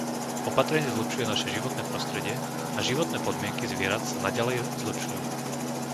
Opatrenie zlepšuje naše životné prostredie a životné podmienky zvierat sa naďalej zlepšujú.